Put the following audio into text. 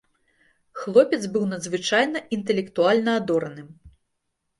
Хлопец быў надзвычайна інтэлектуальна адораным.